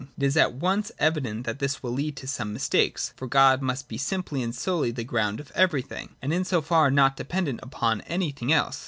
It is at once evident that this will lead to some mistake: for God must be simply and solely the ground of everything, and in so far not dependent upon anything else.